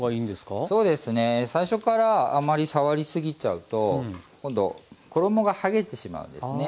そうですね最初からあまり触り過ぎちゃうと今度衣がはげてしまうんですね。